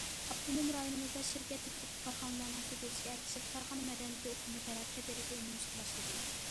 ئاپتونوم رايونىمىزدا شىركەت تىپىدىكى كارخانىلارنىڭ كۆپىيىشىگە ئەگىشىپ، كارخانا مەدەنىيىتى ئۇقۇمىمۇ تەدرىجىي ئومۇملىشىشقا باشلىدى.